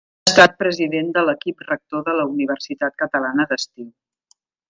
Ha estat president de l'Equip Rector de la Universitat Catalana d'Estiu.